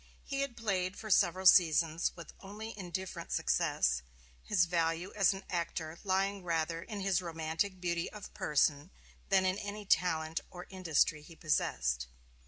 He had played for several seasons with only indifferent success, his value as an actor lying rather in his romantic beauty of person than in any talent or industry he possessed.